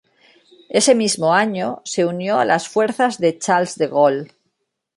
Ese mismo año se unió a las fuerzas de Charles de Gaulle.